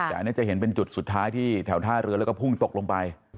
แต่อันนี้จะเห็นเป็นจุดสุดท้ายที่แถวท่าเรือแล้วก็พุ่งตกลงไป